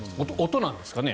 音なんですかね。